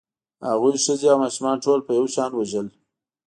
هغوی ښځې او ماشومان ټول په یو شان وژل